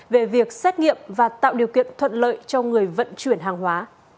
về việc xét nghiệm và tạo điều kiện thuận lợi cho người vận chuyển hàng hóa